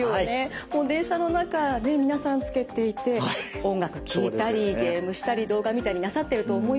もう電車の中ね皆さんつけていて音楽聴いたりゲームしたり動画見たりなさってると思います。